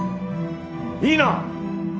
いいな！？